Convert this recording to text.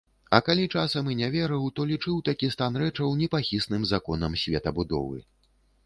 А калі часамі і не верыў, то лічыў такі стан рэчаў непахісным законам светабудовы.